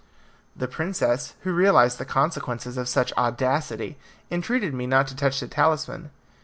The princess, who realized the consequences of such audacity, entreated me not to touch the talisman.